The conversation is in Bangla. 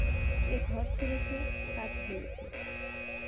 এ ঘর ছেড়েছে, কাজ ভুলেছে।